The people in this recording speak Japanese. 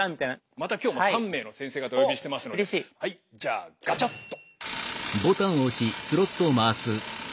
また今日も３名の先生方お呼びしてますのではいじゃあガチャッと。